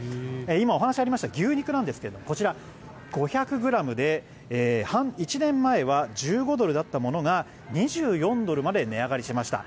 今、お話がありました牛肉なんですがこちら５００ｇで１年前は１５ドルだったものが２４ドルまで値上がりしました。